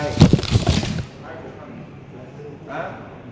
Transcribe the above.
อ๋ออะไรฮะคุณพูดคุณจุดการประเทศนี้ใช่ไหม